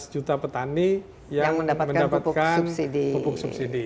lima belas juta petani yang mendapatkan pupuk subsidi